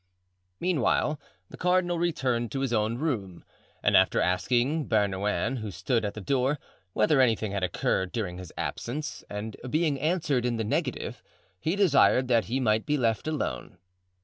Meanwhile the cardinal returned to his own room; and after asking Bernouin, who stood at the door, whether anything had occurred during his absence, and being answered in the negative, he desired that he might be left alone.